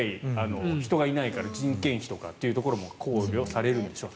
人がいないから人件費とかっていうところも考慮されるんでしょう。